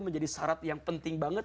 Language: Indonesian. menjadi syarat yang penting banget